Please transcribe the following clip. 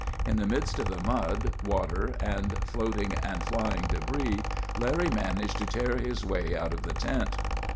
In the midst of the mud, water, and floating and flying debris, Larry managed to tear his way out of the tent.